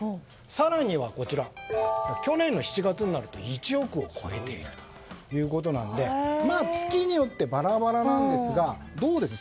更には去年の７月になると１億を超えているということなので月によってバラバラなんですがどうです？